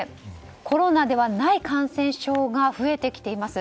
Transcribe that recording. コロナではない感染症が増えてきています。